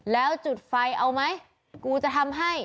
แล้วจุดไฟเอาไหมกูจะทำให้